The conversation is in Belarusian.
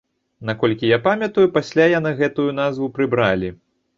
Наколькі я памятаю, пасля яны гэтую назву прыбралі.